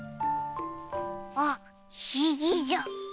あっひげじゃ！